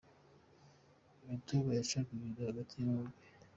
Imitoma yacaga ibintu hagati ya bombi.